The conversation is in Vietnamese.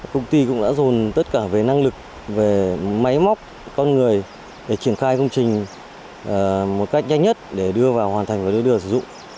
công ty cũng đã dồn tất cả về năng lực về máy móc con người để triển khai công trình một cách nhanh nhất để đưa vào hoàn thành và đưa đưa sử dụng